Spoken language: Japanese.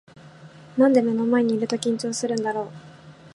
なんで目の前にいると緊張するんだろう